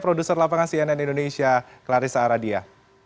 produser lapangasi nn indonesia clarissa aradia